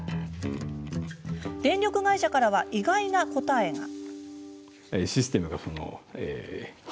電力会社からは、意外な答えが。